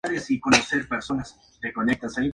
Su primer trabajo fue en Target.